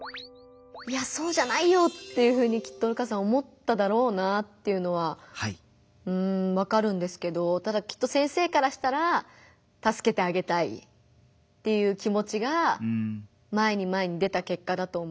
いやそうじゃないよっていうふうにきっと瑠花さん思っただろうなっていうのはわかるんですけどただきっと先生からしたらたすけてあげたいっていう気持ちが前に前に出た結果だと思いますし。